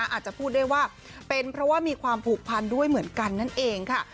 อาจจะพูดได้ว่าเป็นเพราะว่ามีความผูกพันด้วยเหมือนกันนั่นเองค่ะ